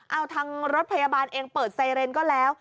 เอาทางรถพยาบาลเองเปิดไซเรนก็แล้ว